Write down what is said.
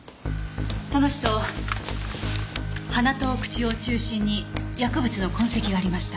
その人鼻と口を中心に薬物の痕跡がありました。